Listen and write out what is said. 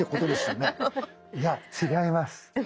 いや違います。